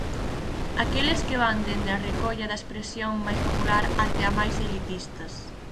Aqueles que van dende a recolla da expresión máis popular até a máis elitistas.